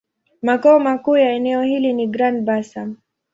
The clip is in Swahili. Makao makuu ya eneo hilo ni Grand-Bassam.